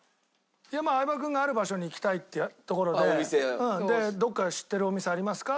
相葉君がある場所に行きたいってところでどこか知ってるお店ありますか？